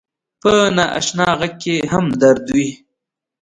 په ناآشنا غږ کې هم درد وي